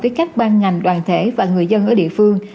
với các ban ngành đoàn thể và người dân ở địa phương